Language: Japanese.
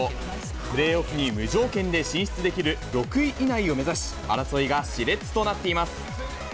プレーオフに無条件で進出できる６位以内を目指し、争いがしれつとなっています。